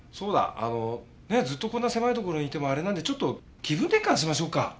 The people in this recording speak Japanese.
あのねえずっとこんな狭い所にいてもあれなんでちょっと気分転換しましょうか？